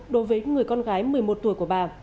đối với người con gái một mươi một tuổi của bà